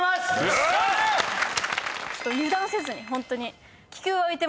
ちょっと油断せずにホントに。